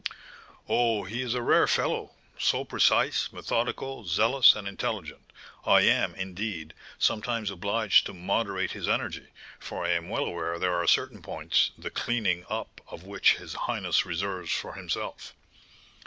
"Oh, he is a rare fellow! so precise, methodical, zealous, and intelligent! I am, indeed, sometimes obliged to moderate his energy; for I am well aware there are certain points, the clearing up of which his highness reserves for himself."